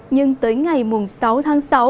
nhưng tới ngày mùng sáu tháng sáu